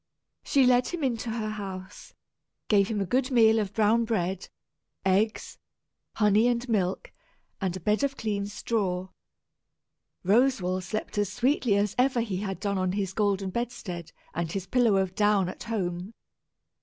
She led him into her house, gave him a good meal of brown bread, eggs, honey and milk, and a bed of clean straw. Roswal slept as sweetly as ever he had done on his golden bedstead and his pillow of down at home.